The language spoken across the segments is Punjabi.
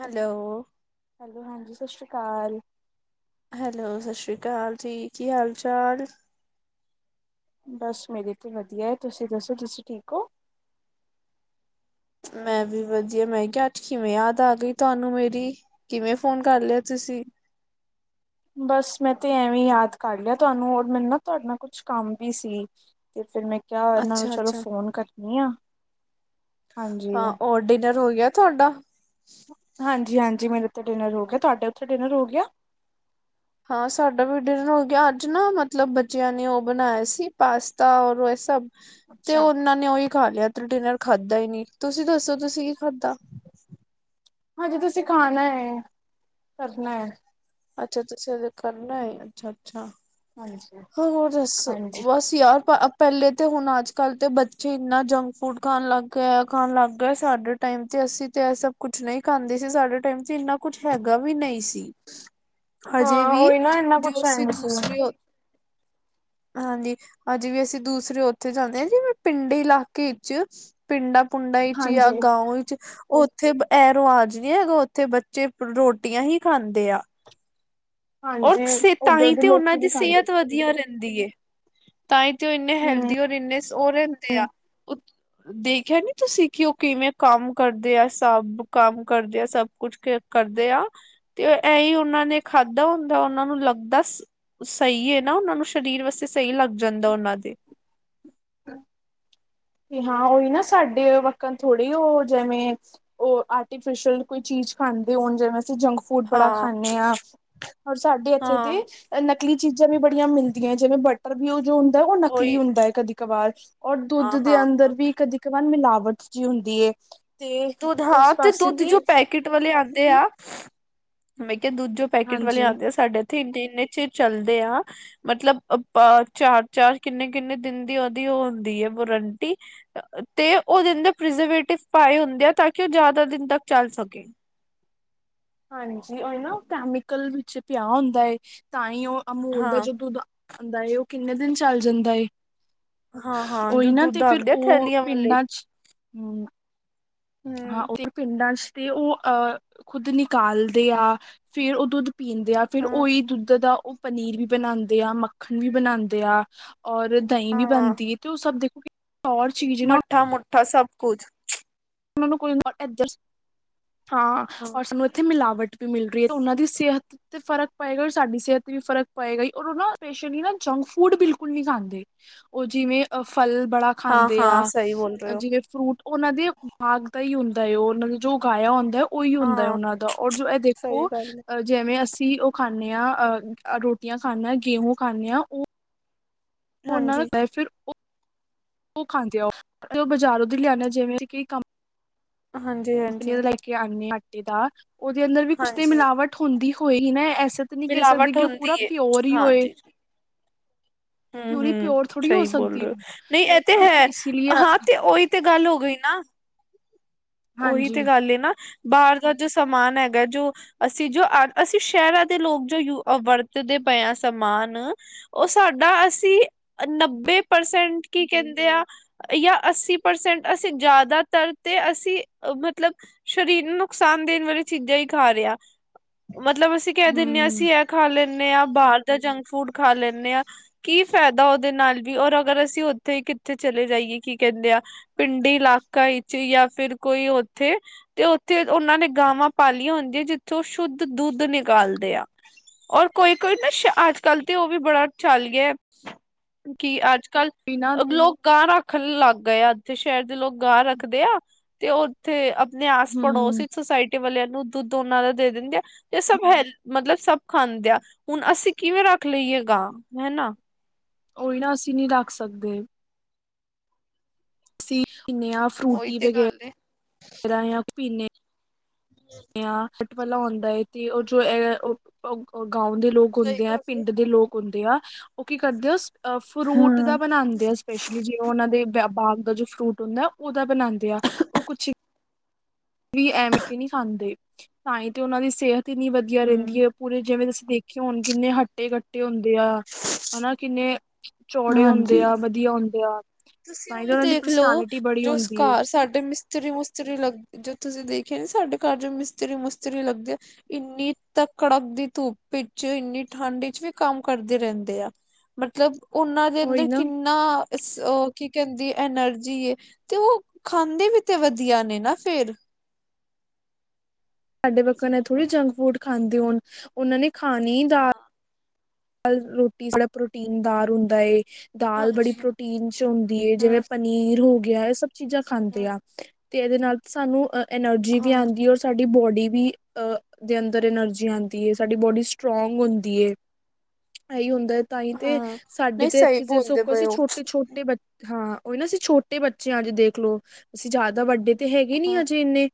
ਹੈਲੋ। ਹੈਲੋ ਹਾਂਜੀ, ਸਤ ਸ਼੍ਰੀ ਕਾਲ। ਹੈਲੋ, ਸਤਿ ਸ਼੍ਰੀ ਕਾਲ ਜੀ। ਕੀ ਹਾਲ ਚਾਲ? ਬਸ ਮੇਰੇ ਤੇ ਵਦੀਆ ਏ, ਤੁਸੀਂ ਦੱਸੋ ਤੁਸੀਂ ਠੀਕ ਔ? ਮੈਂ ਵੀ ਵਦੀਆ, ਮੈਂ ਕਿਆ ਅੱਜ ਕਿਵੇਂ ਯਾਦ ਆ ਗਈ ਤੁਹਾਨੂੰ ਮੇਰੀ? ਕਿਵੇਂ ਫੋਨ ਕਰ ਲੇਆ ਤੁਸੀਂ? ਬਸ ਮੈਂ ਤੇ ਐਵੇਂ ਈ ਯਾਦ ਕਰ ਲੇਆ ਤੁਹਾਨੂੰ, ਹੋਰ ਮੈਨੂੰ ਨਾ ਤੁਹਾਡੇ ਨਾਲ ਕੁਛ ਕੰਮ ਵੀ ਸੀ। ਤੇ ਫਿਰ ਮੈਂ ਕੇਆ, ਐਨਾਂ ਨੂੰ ਅੱਛਾ ਚਲੋ ਅੱਛਾ ਫੋਨ ਕਰਨੀ ਆ, ਹਾਂਜੀ। ਹਾਂ ਔਰ ਡਿਨਰ ਹੋ ਗਿਆ ਤੁਹਾਡਾ? ਹਾਂਜੀ-ਹਾਂਜੀ ਮੇਰੇ ਤੇ ਡਿਨਰ ਹੋ ਗਿਆ ਤੁਹਾਡੇ ਉੱਥੇ ਡਿਨਰ ਹੋ ਗਿਆ। ਹਾਂ ਸਾਡਾ ਵੀ ਡਿਨਰ ਹੋ ਗਿਆ ਅੱਜ ਨਾ ਮਤਲਬ ਬੱਚਿਆਂ ਨੇ ਉਹ ਬਣਾਇਆ ਸੀ ਪਾਸਤਾ ਔਰ ਇਹ ਸਭ। ਤੇ ਅੱਛਾ ਉਹਨਾਂ ਨੇ ਉਹੀ ਖਾ ਲਿਆ ਤੇ ਡਿਨਰ ਖਾਧਾ ਹੀ ਨੀ ਤੁਸੀਂ ਦੱਸੋ ਤੁਸੀਂ ਕੀ ਖਾਧਾ। ਹਾਂਜੀ ਤੁਸੀਂ ਖਾਣਾ ਹੈ ਕਰਨਾ। ਅੱਛਾ-ਅੱਛਾ-ਅੱਛਾ ਅਜੇ ਕਰਨਾ ਏ, ਅੱਛਾ-ਅੱਛਾ। ਹਾਂਜੀ। ਹੋ ਹੋਰ ਦੱਸੋ? ਹਾਂਜੀ ਬਸ ਯਾਰ ਅ ਪੈਲੇ ਤੇ ਹੁਣ, ਅੱਜ ਕੱਲ੍ਹ ਤੇ ਬੱਚੇ ਇੰਨਾ ਜੰਕ ਫੂਡ ਖਾਣ ਲੱਗ ਗਏ, ਏਹ ਖਾਣ ਲੱਗ ਗਏ, ਸਾਡੇ ਟਾਈਮ ਤੇ, ਅਸੀਂ ਤੇ ਏਹ ਸਭ ਕੁਛ ਨਈ ਖਾਂਦੇ ਸੀ। ਸਾਡੇ ਟਾਈਮ ਤੇ ਇੰਨਾ ਕੁਛ ਹੈਗਾ ਵੀ ਨਈ ਸੀ। ਹਜੇ ਹਾਂ ਵੀ ਉਹੀ ਨਾ, ਏਨਾ ਕੁਛ ਜੋ ਅਸੀਂ ਸੇਂਦੀ ਸੀ ਮੈਂ। ਦੂਸਰੇ ਹਾਂਜੀ, ਅੱਜ ਵੀ ਅਸੀਂ ਦੂਸਰੇ ਉੱਥੇ ਜਾਂਦੇ ਆ, ਜਿਵੇਂ ਪਿੰਡੀ ਇਲਾਕੇ ਇੱਚ ਪਿੰਡਾਂ ਪੁੰਡਾਂ ਇੱਚ ਯਾ ਹਾਂਜੀ ਗਾਔ ਇੱਚ ਔਥੇ ਏਹ ਰਵਾਜ ਨੀ ਹੈਗਾ, ਔਥੇ ਬੱਚੇ ਰੋਟੀਆਂ ਈ ਖਾਂਦੇ ਆ। ਔਰ ਹਾਂਜੀ ਸੇ ਤਾਂ ਉਧਰ ਹੀ ਦੇ ਤੇ ਉਨ੍ਹਾਂ ਲੋਕੀ ਦੀ ਨੀ ਖਾਂਦੇ ਸੇਹਤ ਵ ਆ ਰਹਿੰਦੀ ਐ ਤਾਂ ਹੀ ਤੇ ਉਹ ਇੰਨੇ ਹਮ ਹੈਲਦੀ ਔਰ ਇੰਨੇ ਉਹ ਰਹਿੰਦੇ ਆ। ਦੇਖਿਆ ਨੀ ਤੁਸੀਂ ਕਿ ਉਹ ਕਿਵੇਂ ਕੰਮ ਕਰਦੇ ਆ ਸਭ ਕੰਮ ਕਰਦੇ ਆ ਸਭ ਕੁਛ ਕਰਦੇ ਆ ਤੇ ਇਹੀ ਉਹਨਾਂ ਨੇ ਖਾ ਧ ਹੁੰਦਾ ਉਹਨਾਂ ਨੂੰ ਲੱਗਦਾ ਸਹੀ ਹੈ ਨਾ ਉਹਨਾਂ ਨੂੰ ਸਰੀਰ ਵਾਸਤੇ ਸਹੀ ਲੱਗ ਜਾਂਦਾ ਉਨਾਂ ਦੇ। ਹਾਂ ਉਹੀ ਨਾ ਸਾਡੇ ਮੱਖਣ ਥੋੜੇ ਉਹ ਜਿਵੇਂ ਉਹ ਆਰਟੀਫਿਸ਼ਅਲ ਕੋਈ ਚੀਜ਼ ਖਾਂਦੇ ਹੋਣ ਜਿਵੇਂ ਅਸੀਂ ਜੰਕ ਫੂਡ ਬੜਾ ਹਾਂ ਖਾਨੇ ਆ ਔਰ ਸਾਡੇ ਇੱਥੇ ਹਾਂ ਤੇ ਨਕਲੀ ਚੀਜ਼ਾਂ ਵੀ ਬੜੀਆਂ ਮਿਲਦੀਆਂ ਜਿਵੇਂ ਬਟਰ ਵੀ ਉਹ ਜੋ ਹੁੰਦਾ ਉਹ ਨਕਲੀ ਉਹੀ ਹੁੰਦਾ ਕਦੀ ਕਬਾਰ ਔਰ ਦੁੱਧ ਹਾਂ ਦੇ ਹਾਂ ਹਾਂ ਅੰਦਰ ਵੀ ਕਦੀ ਕਵਾਰ ਮਿਲਾਵਟ ਜੀ ਹੁੰਦੀ ਐ। ਤੇ ਉਸ ਪਾਸੇ ਤੇ ਕਟ ਵਾਲੇ ਆਉਂਦੇ ਆ, ਮੈਂ ਕਿਹਾ ਦੁੱਧ ਜੋ ਪੈਕੇਟ ਵਾਲੇ ਹਾਂਜੀ ਆਉਂਦੇ ਆ ਸਾਡੇ [unintelligible] ਇੰਨੇ ਚਿਰ ਚੱਲਦੇ ਆ। ਮਤਲਬ ਚਾਰ-ਚਾਰ ਕਿੰਨੇ-ਕਿੰਨੇ ਦਿਨ ਦੀ ਉਹਦੀ ਉਹ ਹੁੰਦੀ ਹੈ ਵਾਰੰਟੀ। ਤੇ ਉਹਦੇ ਅੰਦਰ ਪ੍ਰਜਵੇਟਿਵ ਪਾਏ ਹੁੰਦੇ ਆ ਤਾਂ ਕਿ ਉਹ ਜਾਦਾ ਦਿਨ ਤੱਕ ਚੱਲ ਸਕੇ। ਹਾਂਜੀ ਉਹ ਨਾ ਉਹ ਕੈਮੀਕਲ ਵਿੱਚ ਪਿਆ ਹੁੰਦਾ ਹੈ ਤਾਂ ਹੀ ਉਹ ਅਮੂਲ ਦਾ ਹਾਂ ਜੋ ਦੁੱਧ ਆਂਦਾ ਏ ਉਹ ਕਿੰਨੇ ਦਿਨ ਚੱਲ ਜਾਂਦਾ ਏ। ਹਾਂ ਹਾਂ ਉਹੀ ਜੋ ਨਾ ਤੇ ਦੁੱਧ ਫਿਰ ਆਉਂਦੇ ਆ ਉਹ ਥੈਲੀਆਂ ਵਾਲੇ ਪਿੰਡਾਂ ਚ ਹਾ ਹਾਂ ਹਮ ਉਹ ਪਿੰਡਾਂ ਚ ਤੇ ਉਹ ਅਹ ਖੁੱਦ ਨਿਕਾਲਦੇ ਆ ਫੇਰ ਉਹ ਦੁੱਧ ਪੀਂਦੇ ਆ ਫਿਰ ਹਾਂ ਉਹੀ ਦੁੱਧ ਦਾ ਉਹ ਪਨੀਰ ਵੀ ਬਣਾਉਂਦੇ ਆ, ਮੱਖਣ ਵੀ ਬਣਾਉਂਦੇ ਆ। ਔਰ ਦਹੀਂ ਵੀ ਬਣਦੀ ਤੇ ਉਹ ਸਭ ਦੇ [inaudible] ਮੱਠਾ-ਮੁੱਠਾ ਸਭ ਕੁਝ। ਉਹਨਾਂ ਨੂੰ ਕੋਈ ਨਾ [inaudible] ਹਾਂ ਔਰ ਸਾਨੂੰ ਇੱਥੇ ਮਿਲਾਵਟ ਵੀ ਮਿਲ ਰਹੀ ਹੈ ਉਹਨਾਂ ਦੀ ਸਿਹਤ ਤੇ ਫਰਕ ਪਏਗਾ ਹੋਰ ਸਾਡੀ ਸਿਹਤ ਤੇ ਵੀ ਫਰਕ ਪਏਗਾ ਔਰ ਉਹ ਨਾ ਪੇਸ਼ਲੀ ਹੀ ਨਾ ਜੰਕ ਫੂਡ ਬਿਲਕੁਲ ਨਹੀਂ ਖਾਂਦੇ। ਉਹ ਜਿਵੇਂ ਅ ਫਲ ਬੜਾ ਹਾਂ ਖਾਂਦੇ ਹਾਂ ਆ ਸਹੀ ਬੋਲ ਰਹੇ ਹੋ ਜਿਵੇਂ ਫਰੂਟ ਉਹਨਾਂ ਦੇ ਬਾਗ ਦਾ ਹੀ ਹੁੰਦਾ ਹੈ ਉਹ ਉਹ ਦਾ ਜੋ ਉਗਾਇਆ ਹੁੰਦਾ ਉਹੀ ਹੁੰਦਾ ਹੈ ਹਾਂ ਉਹਨਾਂ ਦਾ ਔਰ ਜੋ ਇਹ ਸਹੀ ਦੇਖੋ ਗੱਲ ਹੈ ਅ ਜਿਵੇਂ ਅਸੀਂ ਉਹ ਖਾਂਦੇ ਹਾਂ ਅ ਰੋਟੀਆਂ ਖਾਨੇ ਆਂ, ਗੇਹੂ ਖਾਨੇ ਆ ਉਹ ਉਹਨਾਂ ਹਾਂਜੀ ਦਾ [unintelligible] ਫਿਰ ਉਹ ਉਹ ਖਾਂਦੇ ਆ ਉਹ ਤੇ ਉਹ ਬਾਜ਼ਾਰੋਂ ਲਿਆਦੇ ਆ ਜਿਵੇਂ ਕਿ ਹਾਂਜੀ-ਹਾਂਜੀ ਕੇ [unintelligible] ਆਂਟੀ ਦਾ। ਉਹਦੇ ਅੰਦਰ ਵੀ ਕੁਛ ਤੇ ਹਾਂਜੀ ਮਿਲਾਵਟ ਹੁੰਦੀ ਹੋਏ ਨਾ ਐਸੇ ਤਾਂ ਨਹੀਂ ਕਹਿ ਸਕਦੇ ਮਿਲਾਵਟ ਕਿ ਉਹ ਹੁੰਦੀ ਪੂਰਾ ਹੈ ਪਿਓਰ ਹੀ ਹੋਏ। ਪਿਓਰੀ ਹਮ-ਹਮ ਪਿਓਰ ਥੋੜ੍ਹੀ ਹੋ ਸਹੀ ਬੋਲ ਸਕਦੀ ਰਹੇ ਹੋ ਹੈ ਨਈ ਇਹ ਤੇ ਅ, ਹੈ ਇਸ ਲਈ ਹਾਂ ਤੇ ਉਹੀ ਤੇ ਗੱਲ ਹੋ ਗਈ ਨਾ। ਉਹੀ ਹਾਂਜੀ ਤੇ ਗੱਲ ਐ ਨਾ ਬਾਹਰ ਦਾ ਜੋ ਸਮਾਨ ਹੈਗਾ ਜੋ ਅਸੀਂ ਜੋ ਅ ਅਸੀਂ ਸ਼ਹਿਰਾਂ ਦੇ ਲੋਕ ਜੋ ਯੂ ਵਰਤਦੇ ਪਏ ਹਾਂ ਸਮਾਨ। ਉਹ ਸਾਡਾ ਅਸੀਂ ਨੱਬੇ ਪਰਸੈਂਟ ਕੀ ਕਹਿੰਦੇ ਆ, ਜਾਂ ਅੱਸੀ ਪਰਸੈਂਟ ਅਸੀਂ ਜਿਆਦਾਤਰ ਤੇ ਅਸੀਂ ਮਤਲਬ ਸਰੀਰ ਨੂੰ ਨੁਕਸਾਨ ਦੇਣ ਵਾਲੀ ਚੀਜ਼ਾਂ ਹੀ ਖਾ ਰਿਹੇ ਆ। ਮਤਲਬ ਅਸੀਂ ਕਹਿ ਦਿੰਦੇ ਹਾਂ ਹਮ ਅਸੀਂ ਇਹ ਖਾ ਲੇਨੇ ਹਾਂ ਬਾਹਰ ਦਾ ਜੰਕ ਫੂਡ ਖਾ ਲੇਨੇ ਹਾਂ। ਕੀ ਫਾਇਦਾ ਉਹਦੇ ਨਾਲ ਵੀ ਔਰ ਅਗਰ ਅਸੀਂ ਉੱਥੇ ਕਿੱਥੇ ਚਲੇ ਜਾਈਏ ਕੀ ਕਹਿੰਦੇ ਆ ਪਿੰਡੀ ਇਲਾਕਾ ਵਿੱਚ ਜਾਂ ਫਿਰ ਕੋਈ ਉੱਥੇ ਤੇ ਉੱਥੇ ਉਹਨਾਂ ਨੇ ਗਾਵਾਂ ਪਾਲੀਆਂ ਹੁੰਦੀਆਂ ਜਿੱਥੇ ਉਹ ਸ਼ੁੱਧ ਦੁੱਧ ਨਿਕਾਲਦੇ ਆ। ਔਰ ਕੋਈ ਕੋਈ ਨਾ ਅੱਜ ਕੱਲ ਤੇ ਉਹ ਵੀ ਬੜਾ ਚੱਲ ਗਿਆ ਕਿ ਅੱਜ ਕੱਲ ਬਿਨਾਂ ਲੋਕ ਗਾਂ ਰੱਖਣ ਲੱਗ ਗਏ ਆ, ਉੱਥੇ ਸ਼ਹਿਰ ਦੇ ਲੋਕ ਗਾਂ ਰੱਖਦੇ ਆ ਤੇ ਉਹ ਥੇ ਆਪਣੇ ਆਸ ਪੜੋਸ ਹਮ ਇਚ ਸੁੋਸਾਇਟੀ ਵਾਲਿਆਂ ਨੂੰ ਦੁੱਧ ਉਨਾਂ ਦਾ ਦੇ ਦਿੰਦੇ ਆ। ਇਹ ਸਭ ਹੈ ਮਤਲਬ ਸਭ ਖਾਂਦੇ ਆ ਹੁਣ ਅਸੀਂ ਕਿਵੇਂ ਰੱਖ ਲਈਏ ਗਾਂ ਹਨਾ। ਉਹੀ ਨਾ ਅਸੀਂ ਨਹੀਂ ਰੱਖ ਸਕਦੇ। ਸੀ ਇੰਨੀਆਂ ਉਹੀ ਤੇ ਗੱਲ ਏ [inaudible] ਹੂੰ ਹੱਟਵਲਾ ਹੁੰਦਾ ਏ ਤੇ ਉਹ ਜੋ ਉਹ ਗਾਉ ਦੇ ਲੋਕ ਸਹੀ ਹੁੰਦੇ ਆ ਗੱਲ ਏ ਪਿੰਡ ਦੇ ਲੋਕ ਹੁੰਦੇ ਆ। ਉਹ ਕੀ ਕਰਦੇ ਆ ਅ ਫਰੂਟ ਹਾਂ ਦਾ ਬਣਾਉਂਦੇ ਆ। ਸਪੈਸ਼ਲੀ ਜੇ ਉਹਨਾਂ ਦੇ ਬਾਗ ਦਾ ਜੋ ਫਰੂਟ ਹੁੰਦਾ ਉਹਦਾ ਬਣਾਉਂਦੇ ਆ। ਉਹ ਕੁਛ ਵੀ ਐਮ ਕੇ ਨਹੀਂ ਖਾਂਦੇ ਤਾਂ ਹੀ ਤੇ ਉਹਨਾਂ ਦੀ ਸਿਹਤ ਇੰਨੀ ਵਧੀਆ ਰਹਿੰਦੀ ਹੂੰ, ਐ। ਪੂਰੇ ਜਿਵੇਂ ਤੁਸੀਂ ਦੇਖੇ ਹੋੁਣ ਕਿੰਨੇ ਹੱਟੇ-ਕੱਟੇ ਹੁੰਦੇ ਆ। ਹਨਾ ਕਿੰਨੇ ਚੌੜੇ ਹਾਂਜੀ ਹੁੰਦੇ ਆ। ਵਧੀਆ ਹੁੰਦੇ ਆ। ਤੁਸੀਂ ਤਾਂ ਹੀ ਤਾਂ ਉਹੀ ਉਹਨਾਂ ਦੀ ਦੇਖਲਓ ਪਰਸਨੈਲਿਟੀ ਬੜੀ ਹੁੰਦੀ ਹੈ ਜੋਕਾਰ ਸਾਡੇ ਮਿਸ ਮਿਸਤਰੀ ਮੁਿਸਤਰੀ ਲੱਗ ਜੋ ਤੁਸੀਂ ਦੇਖਿਆ ਨੀ ਸਾਡੇ ਘਰ ਜੋ ਮਿਸਤਰੀ ਮੁਿਸਤਰੀ ਲੱਗਦੀ ਆ। ਇੰਨੀ ਤ ਕੜਕ ਦੀ ਧੂੱਪ ਵਿੱਚ ਇੰਨੀ ਠੰਡ ਵਿੱਚ ਵੀ ਕੰਮ ਕਰਦੇ ਰਹਿੰਦੇ ਆ। ਮਤਲਬ ਉਹਨਾਂ ਦੇ ਉਹੀ ਅੰਦਰ ਨਾ ਕਿੰਨਾ ਕੀ ਕਹਿੰਦੀ ਐਨਰਜੀ ਤੇ ਉਹ ਖਾਂਦੇ ਵੀ ਤੇ ਵਧੀਆ ਨੇ ਨਾ ਫੇਰ। ਸਾਡੇ ਵਾਗ ਨੇ ਥੋੜ੍ਹੇ ਜੰਕ ਫੂਡ ਖਾਂਦੇ ਹੋਣ ਉਹਨਾਂ ਨੇ ਖਾਣੀ ਦਾਲ ਰੋਟੀ ਬੜਾ ਪ੍ਰੋਟੀਨਦਾਰ ਹੁੰਦਾ ਏ। ਦਾਲ ਬੜੀ ਹਾਂਜੀ ਪ੍ਰੋਟੀਨ ਚ ਹੁੰਦੀ ਜਿਵੇਂ ਹਮ ਪਨੀਰ ਹੋ ਗਿਆ। ਇਹ ਸਭ ਚੀਜ਼ਾਂ ਖਾਂਦੇ ਹਮ ਆ ਤੇ ਇਹਦੇ ਨਾਲ ਸਾਨੂੰ ਐਨਰਜੀ ਵੀ ਹਾਂ ਆਉਂਦੀ ਸਾਡੀ ਬੋਡੀ ਵੀ ਦੇ ਅੰਦਰ ਐਨਰਜੀ ਆਉਂਦੀ ਏ। ਸਾਡੀ ਬੋਡੀ ਸਟਰੋਂਗ ਹੁੰਦੀ ਏ। ਇਹੀ ਹੁੰਦਾ ਤਾਂ ਹੀ ਤੇ ਹਾਂ ਸਾਡੇ ਨਹੀਂ ਤੇ ਸਹੀ ਇੱਥੇ ਜੇ ਬੋਲਦੇ ਸਖੋ ਪਏ ਅਸੀਂ ਹੋ ਛੋਟੇ ਛੋਟੇ ਬੇ ਹਾਂ ਉਹੀ ਨਾ ਅਸੀਂ ਛੋਟੇ ਬੱਚੇ ਆ ਜੇ ਦੇਖ ਲੋ ਅਸੀਂ ਜ਼ਿਆਦਾ ਵੱਡੇ ਤੇ ਹੈਗੇ ਨੀ ਹਾਂ ਹਜੇ ਇੰਨੇ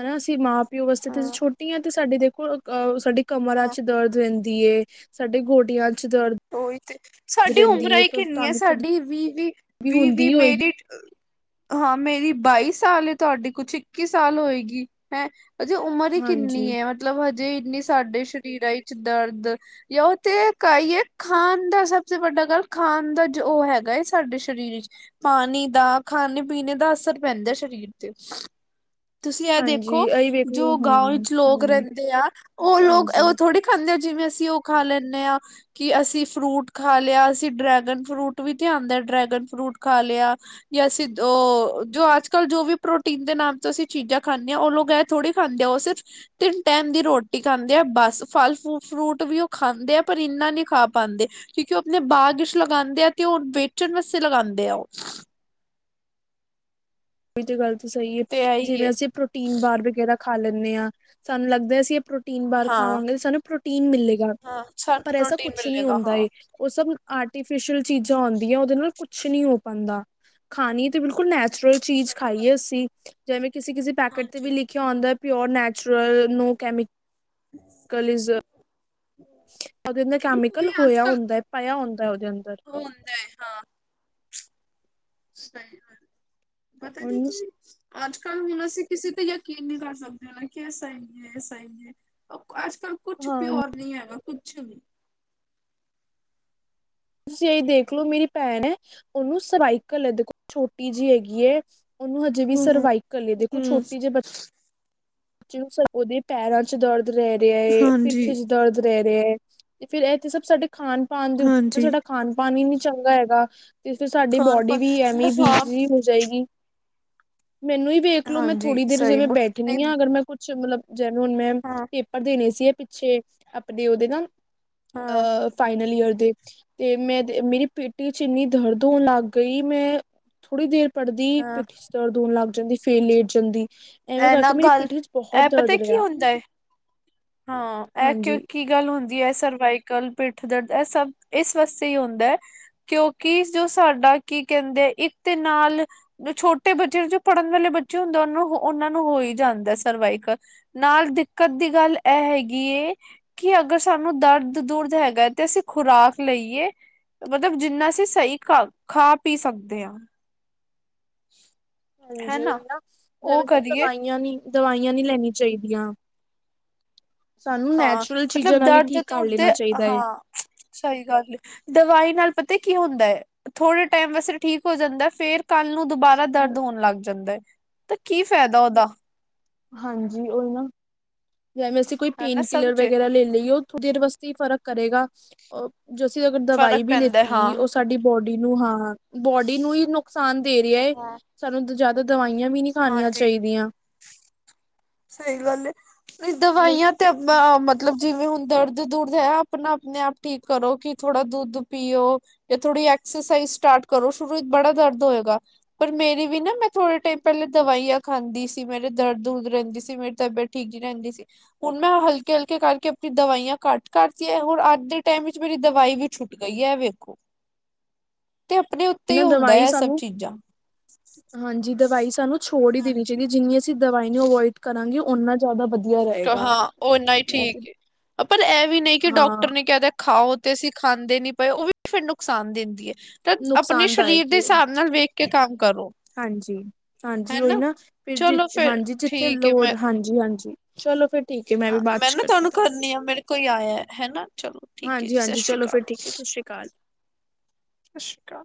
ਹਨਾ ਅਸੀਂ ਮਾਂ ਪਿਓ ਵਾਸਤੇ ਤੇਸੀ ਹਾਂ ਛੋਟੀ ਹ ਤੇ ਸਾਡੇ ਦੇਖੋ ਅ ਸਾਡੇ ਕਮਰਾਂ ਹਾਂ ਚ ਦਰਦ ਰਹਦੀ ਏ, ਸਾਡੇ ਗੋਡਿਆਂ ਚ ਦਰਦ ਉਹੀ ਤੇ ਸਾਡੀ ਰਹਿੰਦੀ ਉਮਰ ਏ ਹੀ ਕਿ ਤਾਂ ਇੰਨੀ ਹੈ ਤੁਹਾਨੂੰ ਖੁਦ ਸਾਡੀ ਵੀਹ ਵੀ, ਵੀਹ ਵੀ ਹੁੰਦੀ ਹੋਏਗੀ ਮੇਰੀ ਹਾਂ ਮੇਰੀ ਬਾਈ ਸਾਲ ਤੁਹਾਡੀ ਕੁਛ ਇੱਕੀ ਸਾਲ ਹੋਏਗੀ ਹੈਂ ਉਹਦੀ ਉਮਰ ਹੀ ਹਾਂਜੀ ਕਿੰਨੀ ਏ? ਮਤਲਬ ਹਜੇ ਇੰਨੀ ਸਾਡੇ ਸਰੀਰਾਂ ਵਿੱਚ ਦਰਦ ਜਾਂ ਉਹ ਤੇ ਕਹੀਏ ਖਾਣ ਦਾ ਸਭ ਤੋਂ ਵੱਡਾ ਗੱਲ ਖਾਣ ਦਾ ਜੋ ਉਹ ਹੈਗਾ ਹੈਏ ਸਾਡੇ ਸਰੀਰ ਵਿੱਚ ਪਾਨੀ ਦਾ ਖਾਨੇ ਪੀਨੇ ਦਾ ਅਸਰ ਪੈਂਦਾ ਸਰੀਰ ਤੇ। ਤੁਸੀਂ ਇਹ ਹਾਂਜੀ ਦੇਖੋ ਇਹੀ ਵੇਖ ਲੋ ਜੋ ਹਾਂ ਗਾਓ ਵਿੱਚ ਲੋਕ ਹਮ ਰਹਿੰਦੇ ਆ, ਉਹ ਲੋਕ ਹਾਂਜੀ ਉਹ ਥੋੜੇ ਖਾਂਦੇ ਆ ਜਿਵੇਂ, ਅਸੀਂ ਉਹ ਖਾ ਲੈਂਦੇ ਆ। ਕਿ ਅਸੀਂ ਫਰੂਟ ਖਾ ਲਿਆ। ਅਸੀਂ ਡਰੈਗਨ ਫਰੂਟ ਵੀ ਤੇ ਆਉਦਾ। ਡਰੈਗਨ ਫਰੂਟ ਖਾ ਲਿਆ। ਜਾਂ ਅਸੀ ਉਹ ਜੋ ਅੱਜ ਕੱਲ ਜੋ ਵੀ ਪ੍ਰੋਟੀਨ ਦੇ ਨਾਮ ਤੁਸੀਂ ਚੀਜ਼ਾਂ ਖਾਂਦੇ ਓ ਲੋਕ ਐ ਥੋੜ੍ਹੀ ਖਾਂਦੇ ਆ। ਉਹ ਸਿਰਫ ਤਿੰਨ ਟਾਈਮ ਦੀ ਰੋਟੀ ਖਾਂਦੇ ਆ ਬਸ ਫਲ ਫੂ ਫਰੂਟ ਵੀ ਉਹ ਖਾਂਦੇ ਆ ਪਰ ਇੰਨਾ ਨਹੀਂ ਖਾ ਪਾਉਂਦੇ। ਕਿਉਂਕਿ ਉਹ ਆਪਣੇ ਬਾਗ ਲਗਾਉਂਦੇ ਆ ਤੇ ਉਹ ਵੇਚਣ ਵਾਸਤੇ ਲਗਾਉਂਦੇ ਆ। ਉਹ ਇਹ ਗੱਲ ਤਾਂ ਸਹੀ ਹੈ ਤੇ ਇਹੀ ਜਿਵੇਂ ਏ ਅਸੀਂ ਪ੍ਰੋਟੀਨ ਬਾਰ ਵਗੈਰਾ ਖਾ ਲੈਂਦੇ ਹਾਂ ਸਾਨੂੰ ਲੱਗਦਾ ਅਸੀਂ ਇਹ ਨ ਬਾਰ ਹਾਂ ਖਾਵਾਂਗੇ ਤੇ ਸਾਨੂੰ ਪ੍ਰੋਟੀਨ ਮਿਲੇਗਾ ਹਾਂ ਪਰ ਸਾਨੂੰ ਐਸਾ ਪ੍ਰੋਟੀਨ ਕੁਛ ਨੀ ਮਿਲੇਗਾ ਹੁੰਦਾ। ਹਾਂ ਉਹ ਸਭ ਆਰਟੀਫਿਸ਼ਅਲ ਚੀਜ਼ਾਂ ਆਉਂਦੀਆਂ ਉਹਦੇ ਨਾਲ ਕੁਛ ਨੀ ਹੋ ਪਾਉਂਦਾ। ਖਾਣੀ ਤੇ ਬਿਲਕੁਲ ਨੈਚੁਰਲ ਚੀਜ਼ ਸਹੀ ਗੱਲ ਖਾਈਏ ਅਸੀਂ ਜਿਵੇਂ ਕਿਸੇ ਕਿਸੇ ਪੈਕੇਟ ਤੇ ਵੀ ਹਾਂਜੀ ਲਿਖੀ ਕ ਆਂਦਾ pure natural no chemical is ਉਹਦੇ ਅੰਦਰ ਹੁਣ ਕੈਮੀਕਲ ਕੋਈ ਅੱਜ ਹੋਇਆ ਕੱਲ ਹੁੰਦਾ ਪਾਇਆ ਹੁੰਦਾ ਉਹਦੇ ਅੰਦਰ। ਉਹ ਹੁੰਦਾ ਹੈ ਹਾਂ [inaudible] ਉਹਨੂੰ ਅੱਜ ਕੱਲ ਹੁਣ ਅਸੀਂ ਕਿਸੇ ਤੇ ਯਕੀਨ ਨਹੀਂ ਕਰ ਸਕਦੇ। ਨਾ ਕਿ ਐ ਸਾਹੀ ਏ, ਐ ਸਾਹੀ ਏ। ਅੱਜ ਕੱਲ ਕੁਛ ਹਾਂ ਪਿਓਰ ਨੀ ਹੈਗਾ ਕੁਛ ਨੀ। ਤੁਸੀਂ ਅ ਦੇਖਲੋ ਮੇਰੀ ਭੈਣ ਹੈ ਉਹਨੂੰ ਸਵਾਈਕਲ ਐ। ਦੇਖੋ ਛੋਟੀ ਜਿਹੀ ਹੈਗੀ ਉਹਨੂੰ ਹਜੇ ਵੀ ਹਮ ਸਰਵਾਈਵਕਲ ਏ ਦੇਖੋ ਹਮ ਛੋਟੀ ਜਿਹੇ ਬੱਚੇ ਉਹਦੇ ਪੈਰਾਂ ਚ ਦਰਦ ਰਹਿ ਰਿਹਾ ਏ। ਹਾਂਜੀ ਪਿੱਠੇ ਚ ਦਰਦ ਰਹਿ ਰਿਹਾ ਏ ਤੇ ਫੇਰ ਇਅ ਤਾ ਸਭ ਸਾਡੇ ਖਾਣ ਪਣ ਦੇ ਉੱਤੇ ਹਾਂਜੀ ਸਾਡਾ ਖਾਣ ਪਾਣ ਹੀ ਨੀ ਚੰਗਾ ਹੈਗਾ। ਤੇ ਫਿਰ ਸਾਡੀ ਖਾਣ ਬੋਡੀ ਪਾ ਵੀ ਐਵੇਂ ਹਾਂ ਵੀਕ ਜ ਜਾਏਗੀ ਮੈਨੂੰ ਹੀ ਵੇਖਲੋ ਮੈਂ ਹਾਂਜੀ ਥੋੜ੍ਹੀ ਦੇਰ ਸਹੀ ਜਿਵੇਂ ਬੋ- ਬੈਠੇ ਨਹੀਂ ਅਗਰ ਮੈਂ ਕੁਛ ਮਤਲਬ ਜਿਨੂੰ ਹੁਣ ਮੈਂ ਹਾਂ ਪੇਪਰ ਦੇਣੇ ਸੀ। ਪਿੱਛੇ ਆਪਣੇ ਉਹਦੇ ਨਾ ਹਾਂ ਅ ਫਾਈਨਲ ਈਅਰ ਦੇ ਤੇ ਮੈਂ ਮੇਰੀ ਪਿਠ ਚ ਇੰਨੀ ਦਰਦ ਹੋਣ ਲੱਗ ਗਈ ਮੈਂ ਥੋੜ੍ਹੀ ਦੇਰ ਪੜ੍ਹਦੀ ਹਾਂ ਪਿੱਠੀ ਚ ਦਰਦ ਹੋਣ ਲੱਗ ਜਾਂਦੀ ਫੇਰ ਲੇਟ ਜਾਂਦੀ ਐਵੇਂ ਇਹ ਕਰ ਨਾ ਗੱਲ ਇਹ ਪਤਾ ਕੀ ਹੁੰਦਾ ਹੈ ਹਾਂ ਇਹ ਹਾਂਜੀ ਕਿਉਂਕਿ ਕੀ ਗੱਲ ਹੁੰਦੀ ਹੈ ਸਰਵਾਈਕਲ ਪਿੱਠ ਦਰਦ ਇਹ ਸਭ ਇਸ ਵਾਸਤੇ ਹੀ ਹੁੰਦਾ ਹੈ ਕਿਉਂਕਿ ਜੋ ਸਾਡਾ ਕੀ ਕਹਿੰਦੇ ਇੱਕ ਦੇ ਨਾਲ ਛੋਟੇ ਬੱਚੇ ਜੋ ਪੜ੍ਹਨ ਵਾਲੇ ਬੱਚੇ ਹੁੰਦੇ ਉਹਨੂੰ ਉਹਨਾਂ ਨੂੰ ਹੋ ਹੀ ਜਾਂਦਾ ਸਰਵਾਈਕਲ। ਨਾਲ ਦਿੱਕਤ ਦੀ ਗੱਲ ਇਹ ਇਹ ਹੈਗੀ ਏ ਕਿ ਅਗਰ ਸਾਨੂੰ ਦਰਦ ਦੁਰਦ ਹੈਗਾ ਤੇ ਅਸੀਂ ਖੁਰਾਕ ਲਈਏ। ਮਤਲਬ ਜਿੰਨਾ ਅਸੀਂ ਸਹੀ ਖਾ ਖਾ ਪੀ ਸਕਦੇ ਹਾਂ। ਹ [unintelligible] ਹਾਂਜੀ ਉਹੀ ਨਾ ਜਿਵੇਂ ਤੁਹਾਨੂੰ ਦਵਾਈਆਂ ਨ ਦਵਾਈਆਂ ਨੀ ਲੈੀਆਂ ਚਾਹੀਦੀਆਂ। ਸਾਨੂੰ ਹਾਂ ਨੈਚੁਰਲ ਚੀਜ਼ਾਂ ਮਤਲਬ ਨਾਲ ਹੀ ਦਰਦ ਠੀਕ ਕਰ ਦੁਰਦ ਲੈਣਾ ਚਾਹੀਦਾ ਹੈ। ਹਾਂ ਸਹੀ ਗੱਲ ਏ ਦਵਾਈ ਨਾਲ ਪਤਾ ਕੀ ਹੁੰਦਾ ਹੈ। ਥੋੜੇ ਟਾਈਮ ਵੈਸੇ ਠੀਕ ਹੋ ਜਾਂਦਾ ਫੇਰ ਕੱਲ੍ਹ ਨੂੰ ਦੁਬਾਰਾ ਦਰਦ ਹੋਣ ਲੱਗ ਜਾਂਦਾ ਹੈ ਤੇ ਕੀ ਫਾਇਦਾ ਉਹਦਾ ਹਾਂਜੀ ਉਹ ਨਾ ਜਵੇਂ ਅਸੀਂ ਕੋਈ ਹਨਾ ਪੇਨ ਕਿਲਰ ਸਮਝੇ ਵਗੈਰਾ ਲੈ ਲਈਓ ਉਹ ਥੋੜ੍ਹ ਦੇਰ ਵਾਸਤੇ ਹੀ ਫਰਕ ਕਰੇਗਾ। ਉਹ ਜ ਅਸੀਂ ਅਗਰ ਫ਼ਰਕ ਦਵਾਈ ਵੀ ਪੈਂਦਾ ਹਾਂ ਲਿੱਤੀ ਉਸ ਸਾਡੀ ਬੋਡੀ ਨੂੰ ਹਾਂ ਬੋਡੀ ਨੂੰ ਹੀ ਨੁਕਸਾਨ ਦੇ ਰਿਹਾ ਹੈ ਹਾਂ ਸਾਨੂੰ ਜਿਆਦਾ ਦਵਾਈਆਂ ਵੀ ਨੀ ਖਿਆਣੀਆਂ ਹਾਂਜੀ ਚਾਹੀਦੀਆਂ ਸਹੀ ਗੱਲ ਹੈ ਦਵਾਈਆਂ ਤੇ ਆਪਾਂ ਮਤਲਬ ਜਿਵੇਂ ਹੁਣ ਦਰਦ ਦੂਰਦ ਹੈ ਆਪਣਾ ਆਪਣੇ ਆਪ ਠੀਕ ਕਰੋ ਕਿ ਥੋੜਾ ਦੁੱਧ ਪੀਓ ਜਾਂ ਥੋੜੀ ਐਕਸਰਸਾਈਜ਼ ਸਟਾਰਟ ਕਰੋ ਸ਼ੁਰੂ ਵਿੱਚ ਬੜਾ ਦਰਦ ਹੋਏਗਾ। ਪਰ ਮੇਰੀ ਵੀ ਨਾ ਮੈਂ ਥੋੜੇ ਟਾਈਮ ਪਹਿਲੇ ਦਵਾਈਆਂ ਖਾਂਦੀ ਸੀ ਮੇਰੇ ਦਰਦ ਦੁਰਦ ਰਹਿੰਦੀ ਸੀ। ਮੇ ਤਬਅਤ ਠੀਕ ਜੀ ਰਹਿੰਦੀ ਸੀ। ਹੁਣ ਮੈਂ ਹਲਕੇ ਹਲਕੇ ਕਰਕੇ ਆਪਣੀ ਦਵਾਈਆਂ ਘੱਟ ਕਰਤੀ ਹੈ ਹੁਣ ਅੱਜ ਦੇ ਟਾਈਮ ਵਿੱਚ ਮੇਰੀ ਦਵਾਈ ਵੀ ਛੁੱ ਗਈ ਵੇਖੋ ਤੇ ਆਪਣੇ ਉੱਤੇ ਹੀ ਨਾ ਹੁੰਦਾ ਦਵਾਈ ਹੈ ਇਹ ਸਭ ਸਾਨੂੰ ਚੀਜ਼ਾਂ ਹਾਂਜੀ ਦਵਾਈ ਸਾਨੂੰ ਛੋੜ ਹੀ ਦੇਣੀ ਹਾਂਜੀ ਚਾਹੀਦੀ ਹੈ ਜਿੰਨੀ ਅਸੀਂ ਦਵਾਈ ਨੂੰ ਅਵੋਇਡ ਕਰਾਂਗੇ ਉਹਨਾਂ। ਜ਼ਿਆਦਾ ਵਧੀਆ ਰਹੇ। ਹਾਂ ਉਹ ਇੰਨਾ ਹੀ ਠੀਕ ਪਰ ਇਹ ਵੀ ਨਹੀਂ ਕਿ ਹਾਂ ਡਾਕਟਰ ਨੇ ਕਹਿ ਦਿੱ ਓਹ ਤੇ ਅਸੀਂ ਖਾਂਦੇ ਨੀ ਪਏ ਉਹ ਵੀ ਫਿਰ ਨੁਕਸਾਨ ਦਿੰਦੀ ਹੈ। ਤਾਂ ਆਪਣੇ ਸਰੀਰ ਨੁਕਸਾਨਦਾਇਕ ਦੇ ਹਿਸਾਬ ਨਾਲ ਵੇਖ ਕੇ ਕੰਮ ਕਰੋ। ਹਾਂਜੀ-ਹਾਂਜੀ ਉਹੀ ਹਨਾ ਨਾ ਫਿਰ ਜਿ ਚਲੋ ਫਿਰ ਹਾਂਜੀ ਜਿੱਥੇ ਠੀਕ ਹੈ ਲੋੜ ਮੈਂ ਹਾਂਜੀ-ਹਾਂਜੀ। ਚਲੋ ਫਿਰ ਠੀਕ ਹ ਮੈਂ ਵੀ ਬਾਅਦ ਚ ਨਾ ਕਰਦੀ ਆਂ ਤੁਹਾਨੂੰ। ਕਰਨੀ ਆ ਮੇਰੇ ਕੋਈ ਆਇਆ ਹੈ ਹਨਾ ਚਲੋ ਠੀਕ ਹੈ ਜੀ ਸਤਿ ਹਾਂਜੀ-ਹਾਂਜੀ ਸ਼੍ਰੀ ਚਲੋ ਅਕਾਲ ਫਿਰ ਠੀਕ ਹੈ ਸਸ ਸ੍ਰੀ ਕਾਲ। ਸਸ ਸ੍ਰੀ ਕਾਲ।